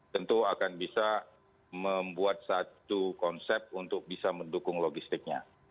tentu akan bisa membuat satu konsep untuk bisa mendukung logistiknya